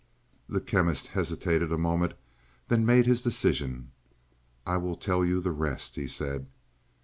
The Chemist hesitated a moment, then made his decision. "I will tell you the rest," he said.